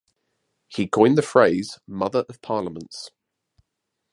He coined the phrase Mother of Parliaments.